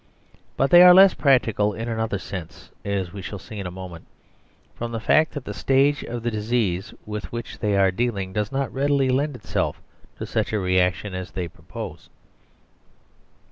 But they are less practical in another sense (as we shall see in a moment) from the fact that the stage of the disease with which they are dealing does not readily lend itself to such a reaction as they propose.